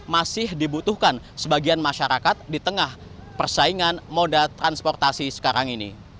masih dibutuhkan sebagian masyarakat di tengah persaingan moda transportasi sekarang ini